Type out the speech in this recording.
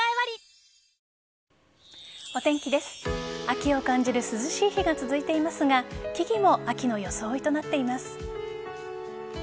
秋を感じる涼しい日が続いていますが木々も秋の装いとなっています。